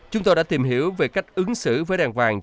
chúng tôi đã tìm hiểu về cách ứng xử với đàn vàng